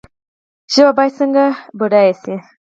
ژبه باید څنګه بډایه شي؟